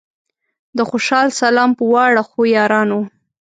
د خوشال سلام پۀ واړه ښو یارانو